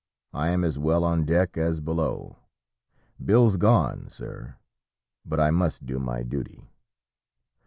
I am as well on deck as below. Bill's gone sir, but I must do my duty.'